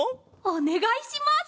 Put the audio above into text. おねがいします。